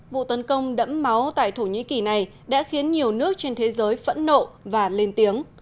vụ tấn công đẫm máu tại thổ nhĩ kỳ này đã khiến nhiều nước trên thế giới phẫn nộ và lên tiếng